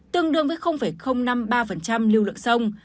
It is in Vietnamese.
tương đương với năm mươi ba lưu lượng sông